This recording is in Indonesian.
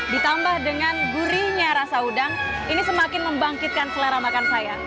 ditambah dengan gurihnya rasa udang ini semakin membangkitkan selera makan saya